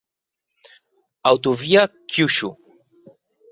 Autovia Kyushu